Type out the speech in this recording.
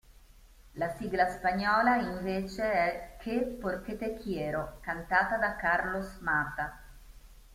La sigla spagnola, invece, è "Que por qué te quiero", cantata da Carlos Mata.